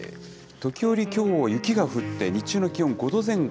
時折、きょう、雪が降って、日中の気温５度前後。